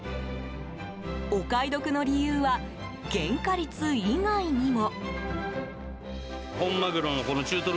お買い得の理由は原価率以外にも。